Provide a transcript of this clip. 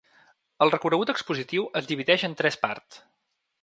El recorregut expositiu es divideix en tres parts.